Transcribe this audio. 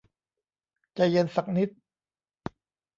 ใจเย็นสักนิด